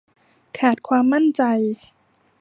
ขาดความมั่นใจ